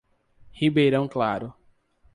Ribeirão Claro